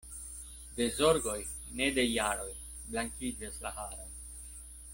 De zorgoj, ne de jaroj, blankiĝas la haroj.